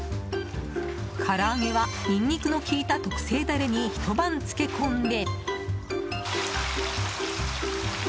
唐揚げはニンニクの利いた特製ダレにひと晩漬け込んで。